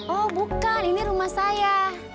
oh bukan ini rumah saya